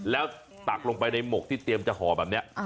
แล้วตักลงไปในหมกที่เตรียมจะห่อแบบนี้